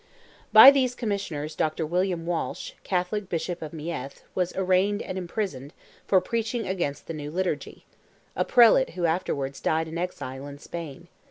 By these commissioners Dr. William Walsh, Catholic Bishop of Meath, was arraigned and imprisoned for preaching against the new liturgy; a Prelate who afterwards died an exile in Spain.